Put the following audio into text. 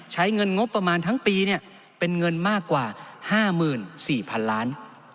ใช้เงินงบประมาณทั้งปีเป็นเงินมากกว่า๕๔๐๐๐ล้าน